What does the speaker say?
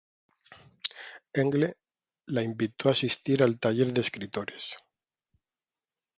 Engle la invitó a asistir al Taller de Escritores.